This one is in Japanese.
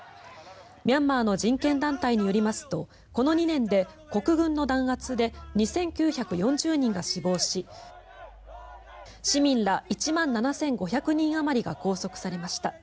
ミャンマーの人権団体によりますとこの２年で国軍の弾圧で２９４０人が死亡し市民ら１万７５００人あまりが拘束されました。